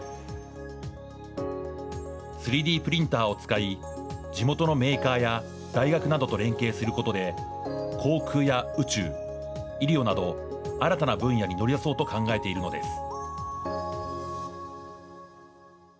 ３Ｄプリンターを使い、地元のメーカーや大学などと連携することで、航空や宇宙、医療など、新たな分野に乗り出そうと考えているのです。